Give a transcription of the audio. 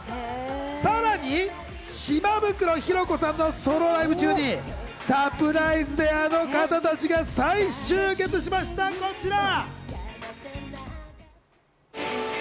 さらに島袋寛子さんのソロライブ中にサプライズであの方たちが再集結しました、こちら。